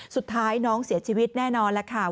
สุดท้ายน้องเสียชีวิตแน่นอนแล้วค่ะ